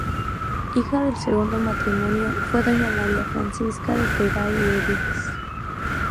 Hija del segundo matrimonio fue doña María Francisca de Perea y Urías.